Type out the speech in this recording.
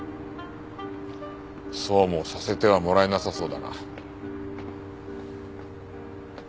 そうもさせてはもらえなさそうだな。